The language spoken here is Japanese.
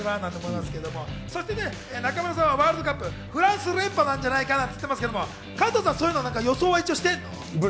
そして中村さんはワールドカップ、フランス連覇じゃないかと言ってましたけど、加藤さんは一応、予想はしてんの？